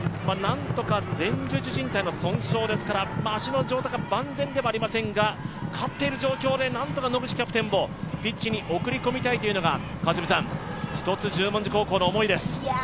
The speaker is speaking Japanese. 前十字じん帯の損傷ですから足の状態が万全ではありませんが、勝ってる状況で何とか野口キャプテンをピッチに送り込みたいという気持ちです。